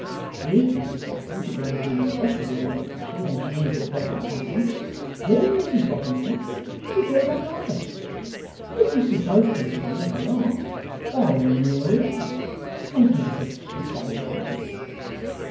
If Mrs Boffin should ever be less of a dab at Fashion than she is at the present time, then Mrs Boffin's carpet would go back'arder. If we should both continny as we are, why then HERE we are, and give us a kiss, old lady.